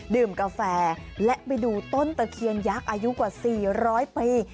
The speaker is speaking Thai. ดื่มกาแฟและไปดูต้นเตอร์เคียนยักษ์อายุกว่าสี่ร้อยปี